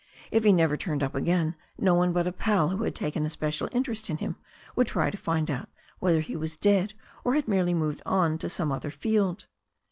If he never turned up again, no one but a pal who had taken a special interest in him would try to find out whether he was dead, or had merely moved on to some other field.